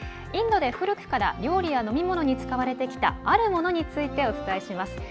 インドで古くから料理や飲み物に使われてきたあるものについてお伝えします。